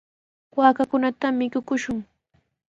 Wakchakunata mikuchishun.